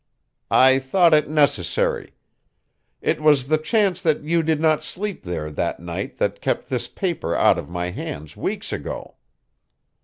"I thought it necessary. It was the chance that you did not sleep there that night that kept this paper out of my hands weeks ago."